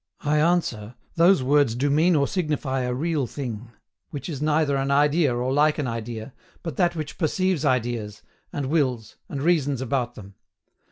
I answer, those words do mean or signify a real thing, which is neither an idea nor like an idea, but that which perceives ideas, and wills, and reasons about them.